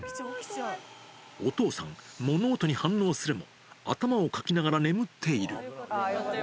お父さん、物音に反応するも、頭をかきながら眠っている。